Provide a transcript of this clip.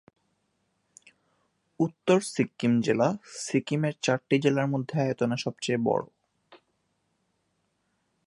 উত্তর সিক্কিম জেলা সিকিমের চারটি জেলার মধ্যে আয়তনে সবচেয়ে বড়ো।